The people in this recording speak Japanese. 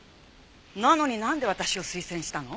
なのになんで私を推薦したの？